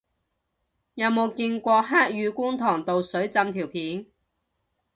有冇見過黑雨觀塘道水浸條片